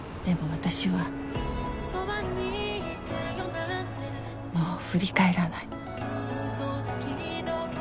私はもう振り返らない